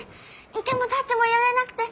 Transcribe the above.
居ても立ってもいられなくて。